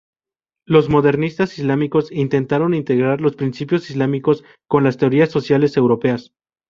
Los modernistas islámicos intentaron integrar los principios islámicos con las teorías sociales europeas.